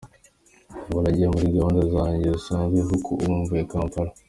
Nyuma nagiye muri gahunda zanjye zisanzwe kuko ubu mvuye Kampala!”.